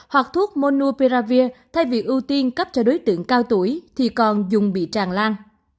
hoặc thuốc monopiravir thay vì ưu tiên cấp cho đối tượng cao tuổi thì còn dùng bị tràn lan